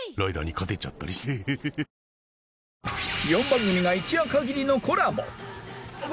４番組が一夜限りのコラボ